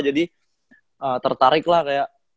jadi tertarik lah kayak